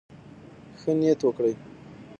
ښه نيت وکړئ.